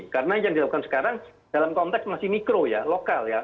karena yang dilakukan sekarang dalam konteks masih mikro ya lokal ya